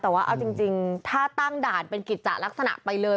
แต่ว่าเอาจริงถ้าตั้งด่านเป็นกิจจะลักษณะไปเลย